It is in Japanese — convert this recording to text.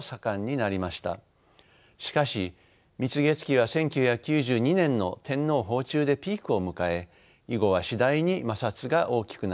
しかし蜜月期は１９９２年の天皇訪中でピークを迎え以後は次第に摩擦が大きくなりました。